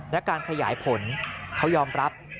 และการขยายผลเขายอมรับ